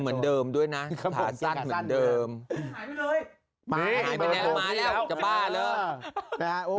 เหมือนเดิมด้วยนะครับผมสั้นเหมือนเดิมหายไปเลยมาแล้วจะบ้าแล้ว